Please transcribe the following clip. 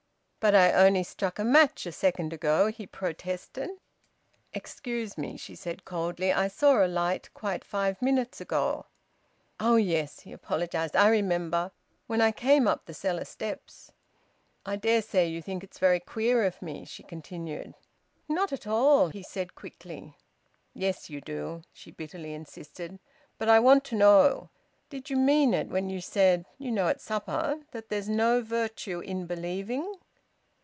"But I only struck a match a second ago," he protested. "Excuse me," she said coldly; "I saw a light quite five minutes ago." "Oh yes!" he apologised. "I remember. When I came up the cellar steps." "I dare say you think it's very queer of me," she continued. "Not at all," he said quickly. "Yes you do," she bitterly insisted. "But I want to know. Did you mean it when you said you know, at supper that there's no virtue in believing?"